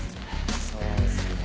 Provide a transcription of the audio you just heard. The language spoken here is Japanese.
そうですね。